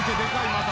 また。